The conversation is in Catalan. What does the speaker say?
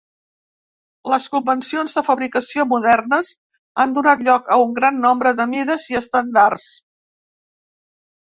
Les convencions de fabricació modernes han donat lloc a un gran nombre de mides i estàndards.